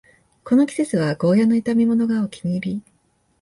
この季節はゴーヤの炒めものがお気に入り